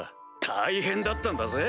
大変だったんだぜ？